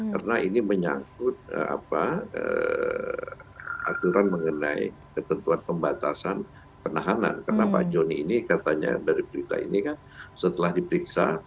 karena ini menyangkut aturan mengenai ketentuan pembatasan penahanan karena pak joni ini katanya dari berita ini kan setelah diperiksa